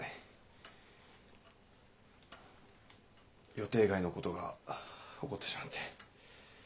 予定外のことが起こってしまって。